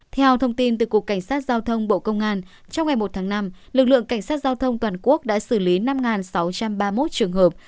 theo thông tin từ cục cảnh sát giao thông bộ công an trong ngày một tháng năm lực lượng cảnh sát giao thông toàn quốc đã xử lý năm sáu trăm ba mươi một trường hợp